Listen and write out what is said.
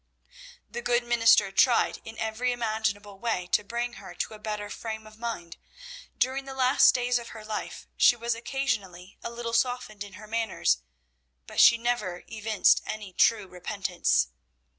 The good minister tried in every imaginable way to bring her to a better frame of mind. During the last days of her life she was occasionally a little softened in her manners, but she never evinced any true repentance.